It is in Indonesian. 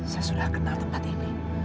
saya sudah kenal tempat ini